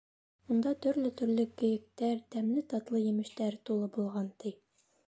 Унда төрлө-төрлө кейектәр, тәмле-татлы емештәр тулы булған, ти.